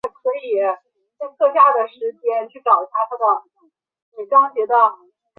金宣宗贞佑四年仆散毅夫充任贺宋正旦使。